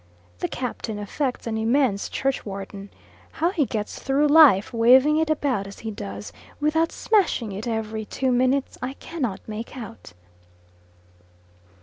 The captain affects an immense churchwarden. How he gets through life, waving it about as he does, without smashing it every two minutes, I cannot make out.